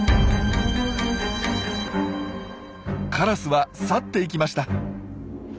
カラスは去っていきました。